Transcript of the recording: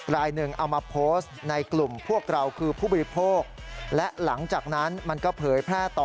รายหนึ่งเอามาโพสต์ในกลุ่มพวกเราคือผู้บริโภคและหลังจากนั้นมันก็เผยแพร่ต่อ